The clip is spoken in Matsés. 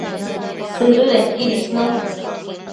Sëdëdequid isnu